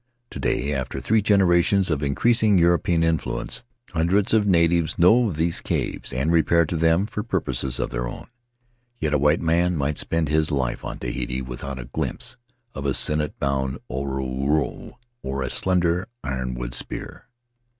To day, after three generations of increasing European influence, hundreds of natives know of these caves and repair to them for purposes of their own, yet a white man might spend his life on Tahiti without a glimpse of a cinnet bound orooro or a slender ironwood spear.